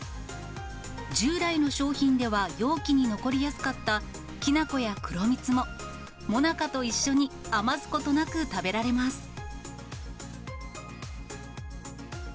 従来の商品では、容器に残りやすかった、きな粉や黒蜜も、もなかと一緒に余すことなく食べられます。